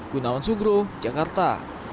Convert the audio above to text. gunawan sugro jakarta